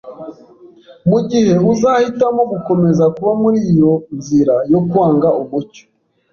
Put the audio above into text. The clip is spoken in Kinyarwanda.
Mu gihe uzahitamo gukomeza kuba muri iyo nzira yo kwanga umucyo,